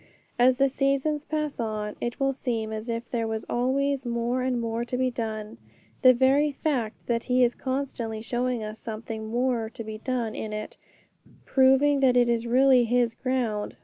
As the seasons pass on, it will seem as if there was always more and more to be done; the very fact that He is constantly showing us something more to be done in it, proving that it is really His ground.